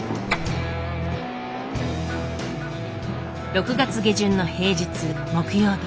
６月下旬の平日木曜日。